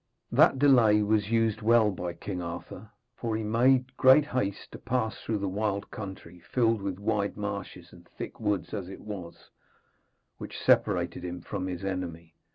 That delay was used well by King Arthur, for he made great haste to pass through the wild country, filled with wide marshes and thick woods as it was, which separated him from his enemy.